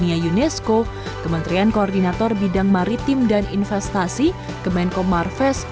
di luarisan dunia unesco kementerian koordinator bidang maritim dan investasi kemenkomarfest